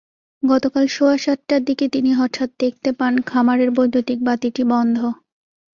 গতকাল সোয়া সাতটার দিকে তিনি হঠাৎ দেখতে পান, খামারের বৈদ্যুতিক বাতিটি বন্ধ।